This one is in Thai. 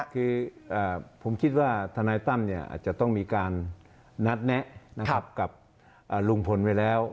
คือผมคิดว่าทนายตั้มอาจจะต้องมีการนัดแนะกับลุงพลไว้แล้ว